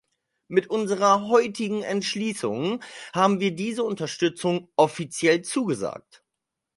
Mit unserer heutigen Entschließung haben wir diese Unterstützung offiziell zugesagt.